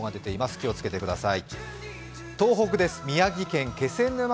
気を付けてください。